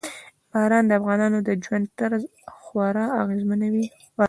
باران د افغانانو د ژوند طرز خورا اغېزمنوي.